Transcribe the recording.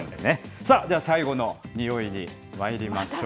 さあ、では最後のにおいにまいりましょう。